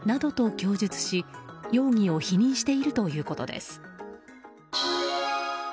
供述し容疑を否認しているということです。